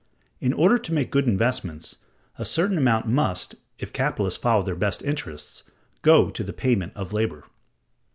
In order to make good investments, a certain amount must, if capitalists follow their best interests, go to the payment of labor.